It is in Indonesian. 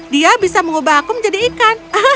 dia bisa mengubah aku menjadi ikan